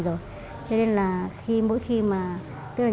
công việc này vốn là niềm đam mê của mình rồi